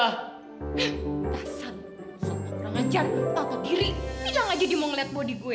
hah dasar semua orang ajar bapak diri bilang aja dia mau ngeliat bodi gue